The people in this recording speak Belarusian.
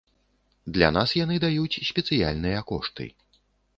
Для нас яны даюць спецыяльныя кошты.